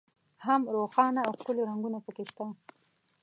هم روښانه او ښکلي رنګونه په کې شته.